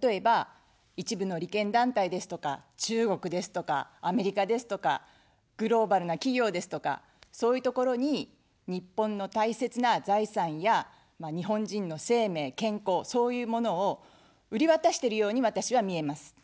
例えば、一部の利権団体ですとか、中国ですとか、アメリカですとか、グローバルな企業ですとか、そういうところに日本の大切な財産や日本人の生命、健康、そういうものを売り渡してるように私は見えます。